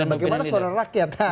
bagaimana suara rakyat